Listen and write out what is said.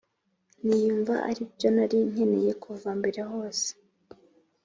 niyumva ari byo nari nkeneye kuva mbere hose